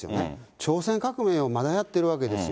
朝鮮革命をまだやっているわけですよ。